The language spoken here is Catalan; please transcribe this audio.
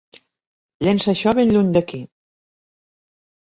Llença això ben lluny d'aquí!